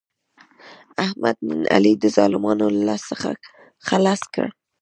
احمد نن علي د ظالمانو له لاس څخه خلاص کړ.